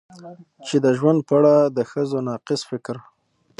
چې د ژوند په اړه د ښځو ناقص فکر